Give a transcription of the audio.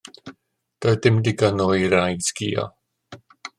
Doedd dim digon o eira i sgïo.